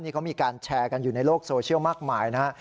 เขามีการแชร์กันอยู่ในโลกโซเชียลมากมายนะฮะ